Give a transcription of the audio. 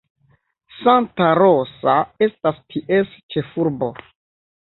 Santa Rosa estas ties ĉefurbo.